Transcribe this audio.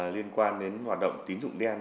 liên quan đến hoạt động tín dụng đen